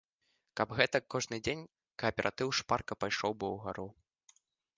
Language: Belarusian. Каб гэтак кожны дзень, кааператыў шпарка пайшоў бы ўгару.